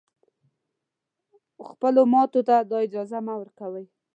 خپلو ماتو ته دا اجازه مه ورکوی